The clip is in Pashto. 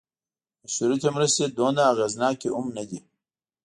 مشروطې مرستې دومره اغېزناکې هم نه دي.